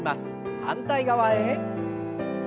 反対側へ。